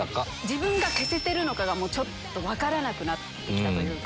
自分が消せてるのかが分からなくなってきたというか。